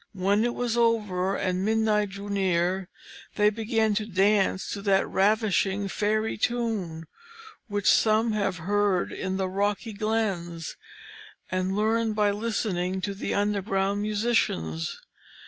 When it was over and midnight drew near, they began to dance to that ravishing fairy tune, which some have heard in the rocky glens, and learned by listening to the underground musicians.